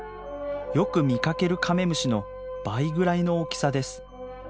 よく見かけるカメムシの倍ぐらいの大きさです。